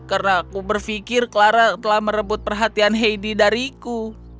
karena aku berpikir clara telah merebut perhatian heidi dariku